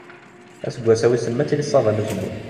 Aseggas-a, wissen ma ad tili ṣṣaba n uzemmur?